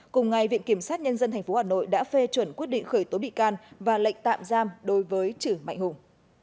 cùng ngày viện kiểm sát nhân dân tp hà nội đã phê chuẩn quyết định khởi tố bị can và lệnh tạm giam đối với chử mạnh hùng